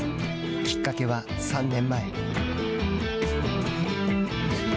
きっかけは３年前。